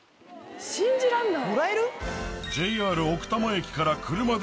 信じらんない。